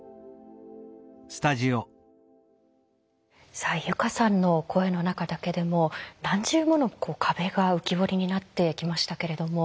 さあ友佳さんの声の中だけでも何重もの壁が浮き彫りになってきましたけれども。